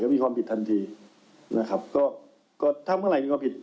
มีความผิดทันทีนะครับก็ก็ถ้าเมื่อไหร่มีความผิด